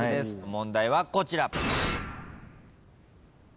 問題はこちら。